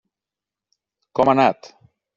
Com ha anat?